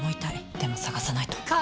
でも捜さないと。